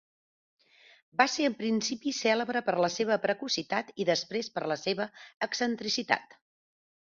Va ser en principi cèlebre per la seva precocitat i després per la seva excentricitat.